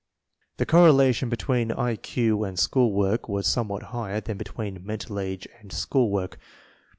The correlation between I Q and school work was somewhat higher than between mental age and school work